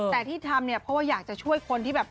แต่ที่ทำเนี่ยเพราะว่าอยากจะช่วยคนที่แบบ